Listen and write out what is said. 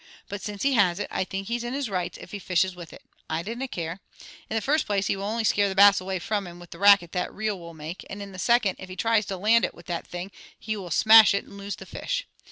But since he has it, I think he's in his rights if he fishes with it. I dinna care. In the first place he will only scare the Bass away from him with the racket that reel will make, and in the second, if he tries to land it with that thing, he will smash it, and lose the fish.